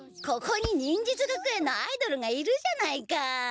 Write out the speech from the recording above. ここに忍術学園のアイドルがいるじゃないか。